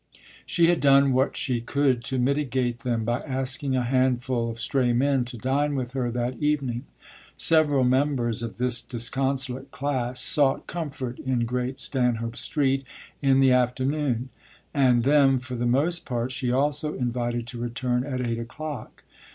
She had done what she could to mitigate them by asking a handful of "stray men" to dine with her that evening. Several members of this disconsolate class sought comfort in Great Stanhope Street in the afternoon, and them for the most part she also invited to return at eight o'clock.